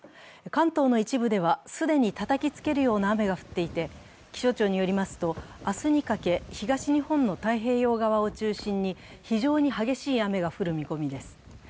関東の一部では既にたたきつけるような雨が降っていて気象庁によりますと明日にかけ東日本の太平洋側を中心に非常に激しい雨が降る見込みです。